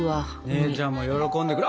姉ちゃんも喜んでくれ。